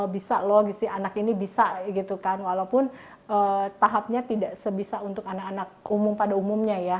bisa loh si anak ini bisa gitu kan walaupun tahapnya tidak sebisa untuk anak anak umum pada umumnya ya